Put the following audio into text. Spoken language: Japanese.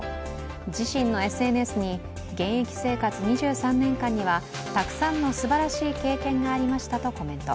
自身のＳＮＳに、現役生活２３年間にはたくさんのすばらしい経験がありましたとコメント。